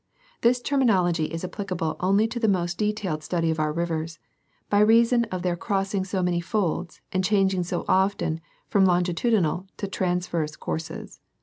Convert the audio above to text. Thi& terminology is applicable only to the most detailed study of our rivers, by reason of their crossing so many folds, and changing so often from longitudinal to transverse courses.